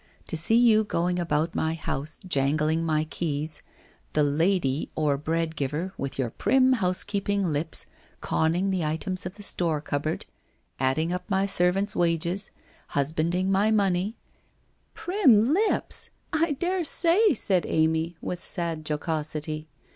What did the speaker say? To see you going about my house jangling my keys, the Lady, or Breadgiver, with your prim housekeeping lips conning the items of the store cupboard, adding up my servant's wages, husband ing my money '' Prim lips ! I daresay/ said Amy with, sad jocosity.